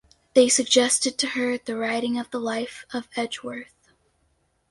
They suggested to her the writing of the life of Edgeworth.